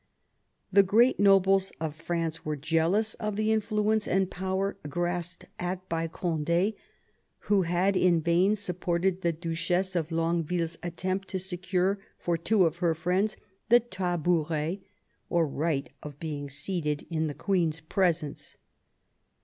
The great nobles of France were jealous of the influence and power grasped at by Conde, who had in vain sup ported the Duchess of Longueville's attempt to secure for two of her friends the tabouret, or right of being seated in the queen's presence.